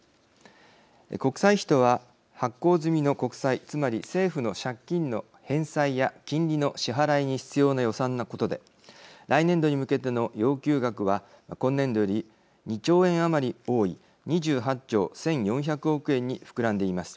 国債費とは、発行積みの国債つまり政府の借金の返済や金利の支払いに必要な予算のことで来年度に向けての要求額は今年度より２兆円余り多い２８兆１４００億円に膨らんでいます。